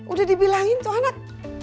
udah dibilangin tuh anak